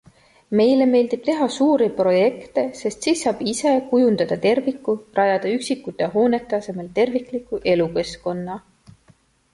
Meile meeldib teha suuri projekte, sest siis saab ise kujundada terviku, rajada üksikute hoonete asemel tervikliku elukeskkonna.